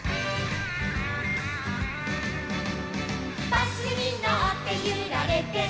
「バスにのってゆられてる」